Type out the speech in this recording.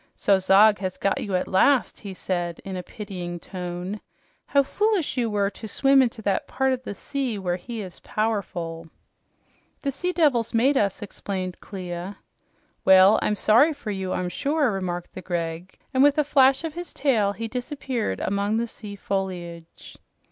"So Zog has got you at last!" he said in a pitying tone. "How foolish you were to swim into that part of the sea where he is powerful." "The sea devils made us," explained Clia. "Well, I'm sorry for you, I'm sure," remarked the Greg, and with a flash of his tail, he disappeared among the sea foliage.